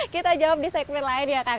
kita jawab di segmen lain ya kak emel